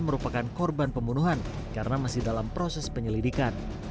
merupakan korban pembunuhan karena masih dalam proses penyelidikan